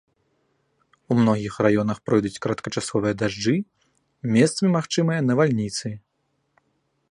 У многіх раёнах пройдуць кароткачасовыя дажджы, месцамі магчымыя навальніцы.